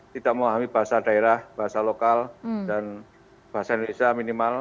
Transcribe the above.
tidak memahami bahasa daerah bahasa lokal dan bahasa indonesia minimal